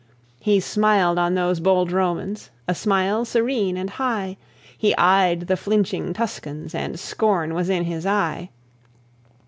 He smiled on those bold Romans, A smile serene and high; He eyed the flinching Tuscans, And scorn was in his eye.